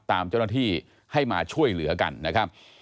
ตามเจ้าหน้าที่ให้มาช่วยเหลือกันนะครับ